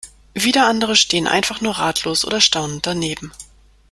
Wieder andere stehen einfach nur ratlos oder staunend daneben.